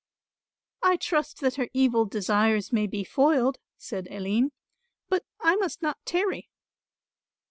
"I trust that her evil desires may be foiled," said Aline, "but I must not tarry."